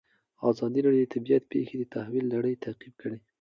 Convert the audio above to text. ازادي راډیو د طبیعي پېښې د تحول لړۍ تعقیب کړې.